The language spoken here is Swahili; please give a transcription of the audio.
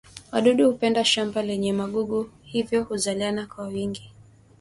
wadudu hupenda shamba lenye magugu hivyo huzaliana kwa wingi